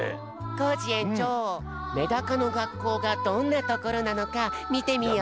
コージえんちょうメダカのがっこうがどんなところなのかみてみよう！